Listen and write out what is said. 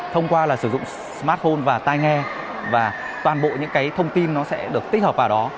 thông qua là sử dụng smartphone và tai nghe và toàn bộ những cái thông tin nó sẽ được tích hợp vào đó